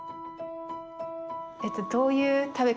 えっとどういう食べ方？